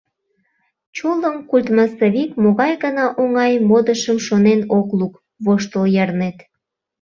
Чулым культмассовик могай гына оҥай модышым шонен ок лук, воштыл ярнет.